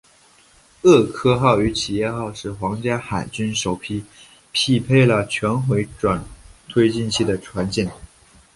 厄科号与企业号是皇家海军首批配备了全回转推进器的船舰。